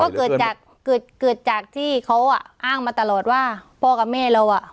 ก็เกิดจากเกิดเกิดจากที่เขาอ่ะอ้างมาตลอดว่าพ่อกับแม่เราอ่ะ